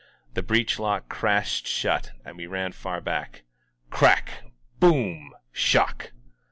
The breech lock crashed shut, and we ran far back* Cra boom shock!